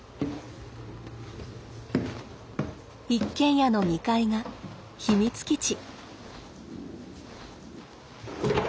一軒家の２階が秘密基地。